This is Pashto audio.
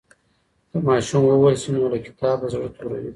که ماشوم ووهل سي نو له کتابه زړه توروي.